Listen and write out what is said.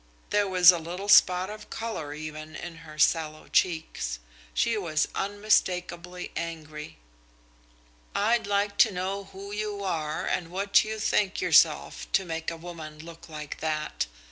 There was a little spot of colour, even, in her sallow cheeks. She was unmistakably angry. "I'd like to know who you are and what you think yourself to make a woman look like that?"